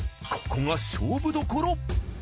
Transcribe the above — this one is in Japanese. ここが勝負どころ。